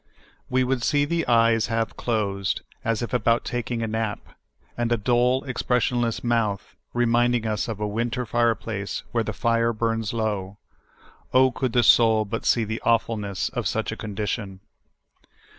We would see the eyes half closed, as if about taking a nap, and a dull, expressionless mouth, reminding us of a winter fireplace where the fire burns low^ Oh, could the soul but see the awful ness of such a condition